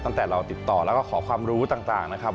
ตั้งแต่เราติดต่อแล้วก็ขอความรู้ต่างนะครับ